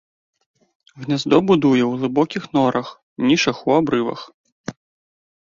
Гняздо будуе ў глыбокіх норах, нішах у абрывах.